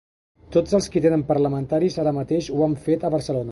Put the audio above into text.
Tots els qui tenen parlamentaris ara mateix ho han fet a Barcelona.